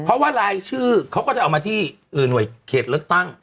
เพราะว่ารายชื่อเขาก็จะเอามาที่หน่วยเขตเลือกตั้ง